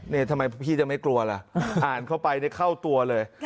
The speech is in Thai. นี่ทำไมพี่จะไม่กลัวล่ะอ่านเข้าไปได้เข้าตัวเลย